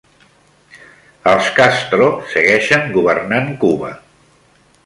Els Castro segueixen governant Cuba